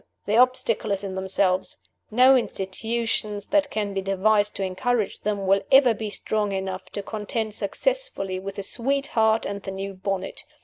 the obstacle is in themselves. No institutions that can be devised to encourage them will ever be strong enough to contend successfully with the sweetheart and the new bonnet.